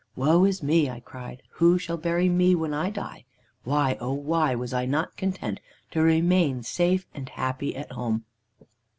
"'Woe is me!' I cried, 'who shall bury me when I die? Why, oh! why was I not content to remain safe and happy at home?'